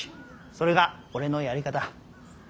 それが俺のやり方。